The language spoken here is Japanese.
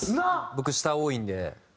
僕下多いんで。